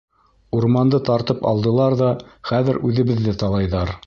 Урманды тартып алдылар ҙа хәҙер үҙебеҙҙе талайҙар.